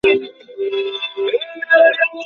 আল্লাহ তো সর্ব বিষয়ে সর্বশক্তিমান।